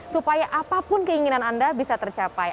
supaya apapun keinginan anda bisa tercapai